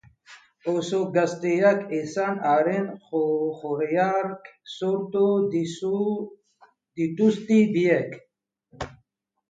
Oso gazteak izan arren, joerak sortu dituzte biek.